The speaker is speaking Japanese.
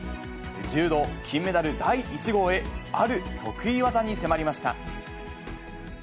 柔道金メダル第１号へ、ある得意技に迫りました。